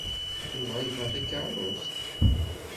Yuba yebɣa takeṛṛust?